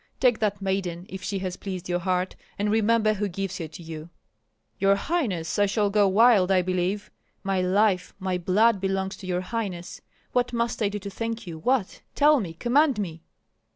Take that maiden if she has pleased your heart, and remember who gives her to you." "Your highness, I shall go wild, I believe! My life, my blood belongs to your highness. What must I do to thank you, what? Tell me, command me!"